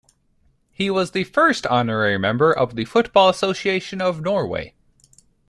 He was the first honorary member of the Football Association of Norway.